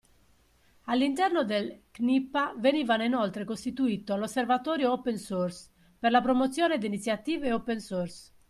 All'interno del CNIPA veniva inoltre costituito l'"Osservatorio Open Source" per la promozione di iniziative open source.